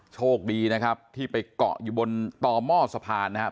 โชคดีนะครับที่ไปเกาะอยู่บนต่อหม้อสะพานนะครับ